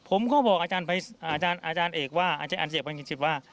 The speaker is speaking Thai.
ผมก็บอกอาจารย์เอกว่าอาจารย์เอกฝ่ามือพลังจิตว่า